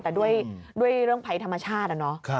แต่ด้วยเรื่องภัยธรรมชาติ